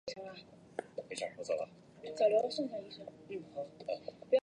当地检察机关在爆炸发生后经过调查认为此事件系非法炸药爆炸。